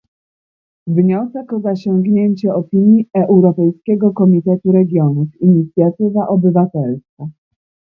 Wniosek o zasięgnięcie opinii Europejskiego Komitetu Regionów - inicjatywa obywatelska